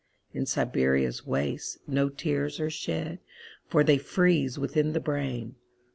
In Siberia's wastesNo tears are shed, For they freeze within the brain.